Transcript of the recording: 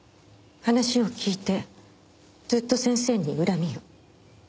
話を聞いてずっと先生に恨みを？